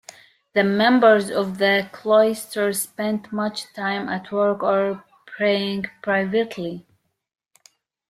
The members of the cloister spent much time at work or praying privately.